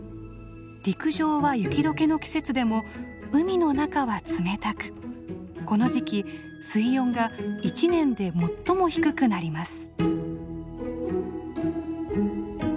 陸上は雪解けの季節でも海の中は冷たくこの時期水温が一年で最も低くなります。